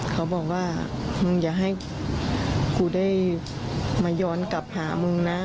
เขาบอกว่ามึงอย่าให้กูได้มาย้อนกลับหามึงนะ